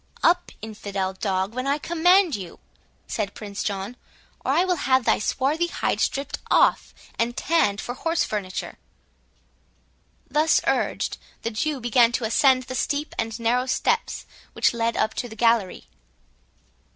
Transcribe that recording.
"Up, infidel dog when I command you," said Prince John, "or I will have thy swarthy hide stript off, and tanned for horse furniture." Thus urged, the Jew began to ascend the steep and narrow steps which led up to the gallery.